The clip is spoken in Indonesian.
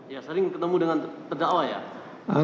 ya sering ketemu dengan terdakwa ya